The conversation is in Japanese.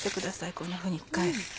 こんなふうに一回。